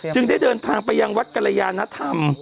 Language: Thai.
ได้เดินทางไปยังวัดกรยานธรรม